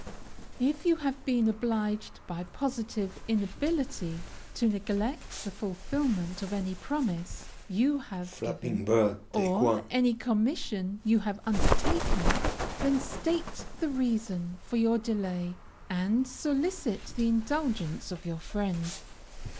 If you have been obliged by positive inability to neglect the fulfilment of any promise you have given, or any commission you have undertaken, then state the reason for your delay, and solicit the indulgence of your friend.